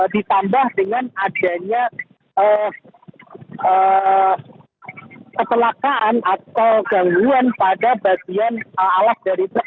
ditambah dengan adanya ketelakaan atau gangguan pada bagian alas dari truk